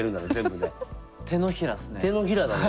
手のひらだね。